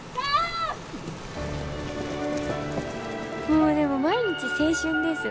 もうでも毎日青春です。